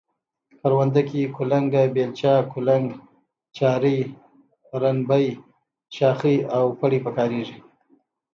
کرونده کې کلنگه، بیلچه، کولنگ، چارۍ، رنبی، شاخۍ او پړی په کاریږي.